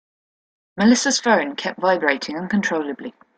Melissa's phone kept vibrating uncontrollably.